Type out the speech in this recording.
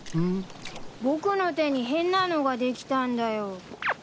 僕の手に変なのができたんだよ。